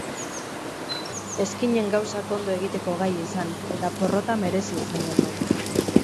Ez ginen gauzak ondo egiteko gai izan, eta porrota merezi izan genuen.